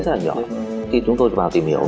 rất là nhỏ khi chúng tôi vào tìm hiểu